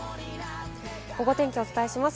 ゴゴ天気をお伝えします。